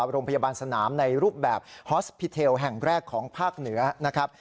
โรงพยาบาลสนามในรูปแบบฮอสพิเทลแห่งแรกของภาคเหนือนะครับ